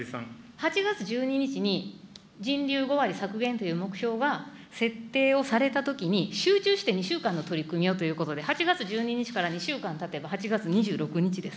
８月１２日に人流５割削減という目標が設定をされたときに、集中して２週間の取り組みをということで、８月１２日から２週間たてば８月２６日です。